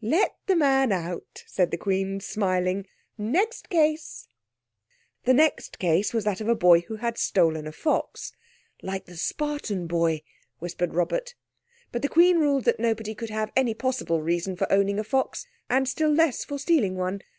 "Let the man out," said the Queen, smiling. "Next case." The next case was that of a boy who had stolen a fox. "Like the Spartan boy," whispered Robert. But the Queen ruled that nobody could have any possible reason for owning a fox, and still less for stealing one.